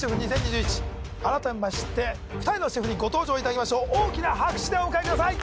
改めまして２人のシェフにご登場いただきましょう大きな拍手でお迎えください